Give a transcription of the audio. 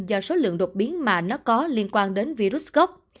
do số lượng đột biến mà nó có liên quan đến virus corona